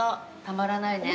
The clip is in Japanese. たまらないね。